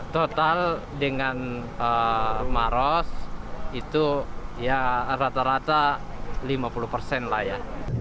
total dengan maros itu ya rata rata lima puluh persen lah ya